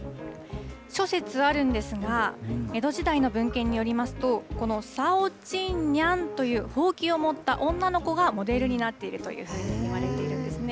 諸説あるんですが、江戸時代の文献によりますと、このサオチンニャンという、ほうきを持った女の子がモデルになっているというふうにいわれているんですね。